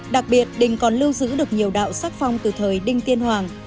đặc biệt đình còn lưu giữ được nhiều đạo sắc phong từ thời đinh tiên hoàng